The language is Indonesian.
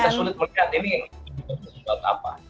ini juga sesuatu apa